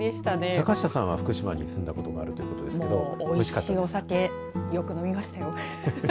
坂下さんは福島に住んだことがあるということですがおいしいお酒よく飲みましたよ。